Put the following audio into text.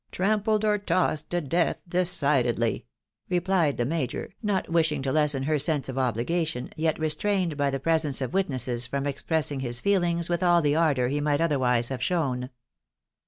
trampled or tossed to death decidedly," replied the major, not wishing to lessen her sense of obligation, yet restrained by the presence of wit nesses from expressing his feelings with all the ardour he might otherwise have shown.